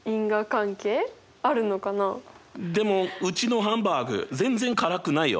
でもうちのハンバーグ全然辛くないよ。